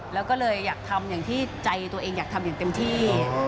แล้วก็เลยอยากทำอย่างที่ใจตัวเองอยากทำอย่างเต็มที่